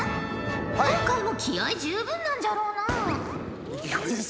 今回も気合い十分なんじゃろうな？